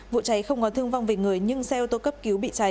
vụ cháy không có thương vong về người nhưng xe ô tô cấp cứu bị cháy